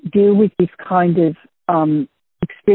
di atas anak anda sendiri